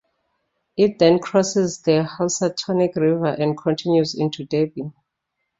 It then crosses the Housatonic River and continues into Derby.